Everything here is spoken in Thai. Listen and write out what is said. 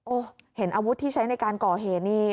โอ้โหเห็นอาวุธที่ใช้ในการก่อเหตุนี่